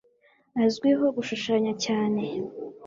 Azwiho gushushanya cyane